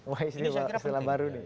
wah istilah baru nih